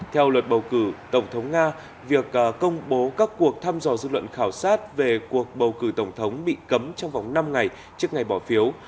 theo luật bầu cử tổng thống nga việc công bố các cuộc thăm dò dư luận khảo sát về cuộc bầu cử tổng thống bị cấm trong vòng năm ngày trước ngày bỏ phiếu